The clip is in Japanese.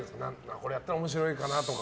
これやったら面白いかなとか。